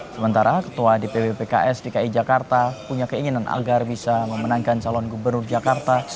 sementara ketua dpw pks dki jakarta punya keinginan agar bisa memenangkan calon gubernur jakarta